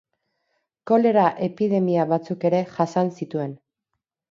Kolera-epidemia batzuk ere jasan zituen.